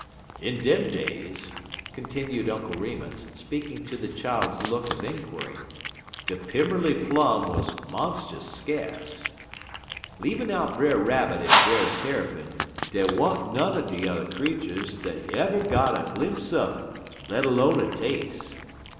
"In dem days," continued Uncle Remus, speaking to the child's look of inquiry, "de Pimmerly Plum wuz monst'us skace. Leavin' out Brer Rabbit en Brer Tarrypin dey wa'n't none er de yuther creeturs dat yuvver got a glimp' un it, let 'lone a tas'e.